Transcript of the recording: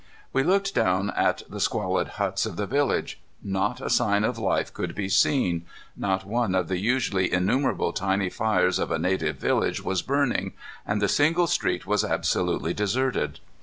We looked down at the squalid huts of the village. Not a sign of life could be seen. Not one of the usually innumerable tiny fires of a native village was burning, and the single street was absolutely deserted.